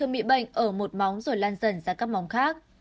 bột móng rồi lan dần ra các móng khác